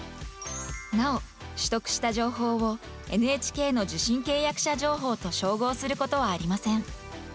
なお、取得した情報をＮＨＫの受信契約者情報と照合することはありません。